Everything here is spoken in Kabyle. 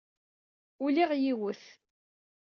Ulyeɣ yiwet.